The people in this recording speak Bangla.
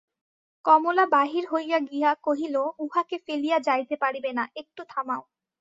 কমলা বাহির হইয়া গিয়া কহিল, উহাকে ফেলিয়া যাইতে পারিবে না–একটু থামাও।